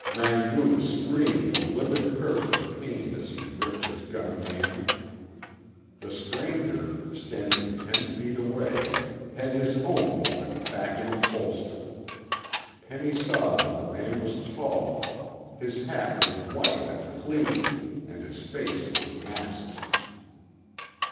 Rangoon screamed a livid curse of pain as he gripped his gun hand. The stranger, standing ten feet away, had his own weapon back in its holster. Penny saw that the man was tall; his hat was white and clean, and his face was masked.